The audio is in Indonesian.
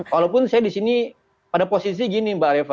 walaupun saya di sini pada posisi gini mbak reva